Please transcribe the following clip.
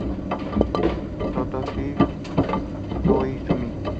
Satoshi Koizumi